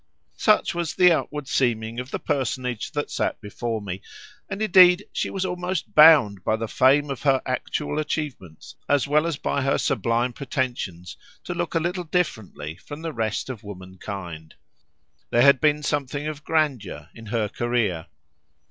Such was the outward seeming of the personage that sat before me, and indeed she was almost bound by the fame of her actual achievements, as well as by her sublime pretensions, to look a little differently from the rest of womankind. There had been something of grandeur in her career.